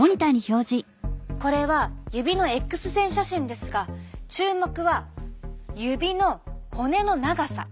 これは指のＸ線写真ですが注目は指の骨の長さ。